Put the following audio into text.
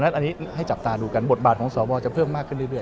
อันนี้ให้จับตาดูกันบทบาทของสวจะเพิ่มมากขึ้นเรื่อย